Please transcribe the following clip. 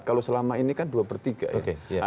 kalau selama ini kan dua per tiga ya